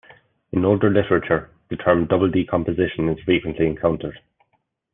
In older literature, the term double decomposition is frequently encountered.